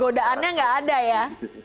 godaannya nggak ada ya